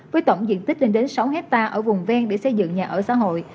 với tổng diện tích lên đến sáu hectare ở vùng ven để xây dựng nhà ở xã hội